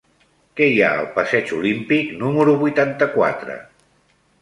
Què hi ha al passeig Olímpic número vuitanta-quatre?